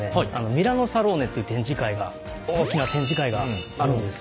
「ミラノサローネ」っていう展示会が大きな展示会があるんです。